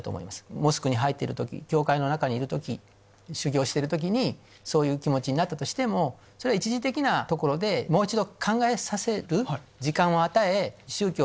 モスクに入っている時教会の中にいる時修行してる時にそういう気持ちになったとしてもそれは一時的なところでもう一度。